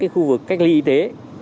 các khu vực cách ly y tế